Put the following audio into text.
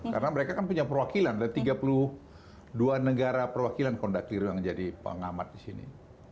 karena mereka kan punya perwakilan dari tiga puluh dua negara perwakilan kondak liru yang jadi pengamat disini